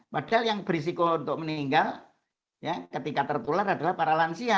padahal yang berisiko untuk meninggal ketika tertular adalah para lansia